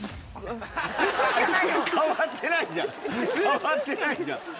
変わってないじゃん。